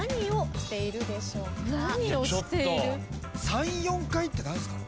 ３４回って何すか？